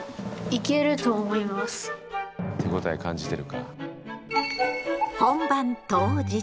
手応え感じてるか。